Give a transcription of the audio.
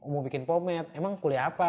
mau bikin pomed emang kuliah apa